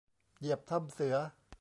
เหยียบถ้ำเสือ